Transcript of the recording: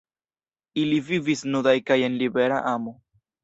Ili vivis nudaj kaj en libera amo.